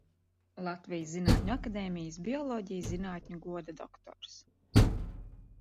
Latvijas Zinātņu akadēmijas bioloģijas zinātņu goda doktors.